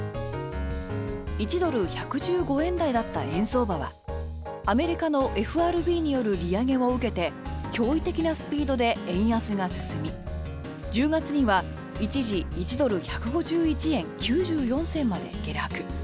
１ドル＝１１５円台だった円相場はアメリカのＦＲＢによる利上げを受けて驚異的なスピードで円安が進み１０月には一時１ドル＝１５１円９４銭まで下落。